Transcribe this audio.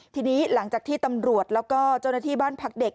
ทีนี้หลังจากที่ตำรวจแล้วก็เจ้าหน้าที่บ้านพักเด็ก